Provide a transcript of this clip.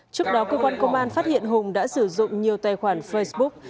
trước đó cơ quan công an phát hiện hùng đã sử dụng nhiều tài khoản facebook